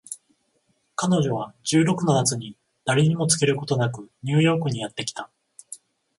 彼女は十六の夏に誰にも告げることなくニューヨークにやって来た